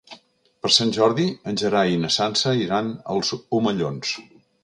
Per Sant Jordi en Gerai i na Sança iran als Omellons.